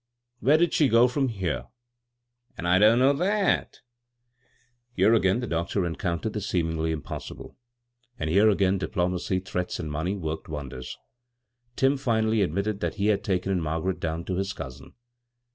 " Where did she go from here ?'*" An' I don't know that" Here again the doctor encountered the seemingly impossible, and here again diplo macy, threats and money worked wonders. Tim finally admitted that he had taken Mar garet down to his cousin.